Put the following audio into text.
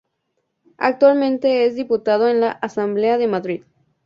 Actualmente es diputado en la Asamblea de Madrid.